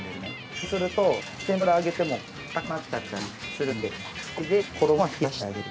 そうすると天ぷら揚げてもかたくなっちゃったりするんで氷で衣は冷やしてあげる。